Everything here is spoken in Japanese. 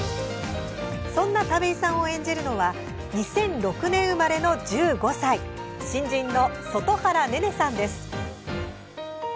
そんな田部井さんを演じるのは２００６年生まれの１５歳新人の外原寧々さんです。